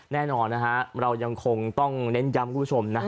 แน่นอนนะฮะเรายังคงต้องเน้นย้ำคุณผู้ชมนะ